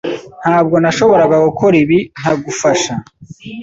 Ntabwo nashoboraga gukora ibi ntagufasha.